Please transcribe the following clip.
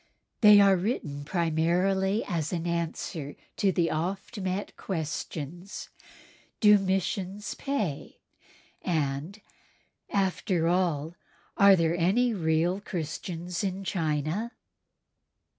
They are written primarily as an answer to the oft met questions, "Do missions pay?" and, "After all, are there any real Christians in China?"